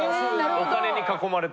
お金に囲まれて。